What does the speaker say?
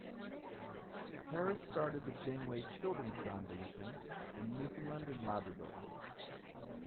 Harris started the Janeway Children's Foundation in Newfoundland and Labrador.